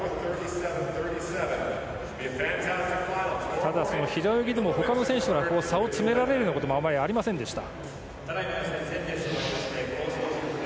ただ、平泳ぎでも他の選手に差を詰められるようなこともあまりありませんでした。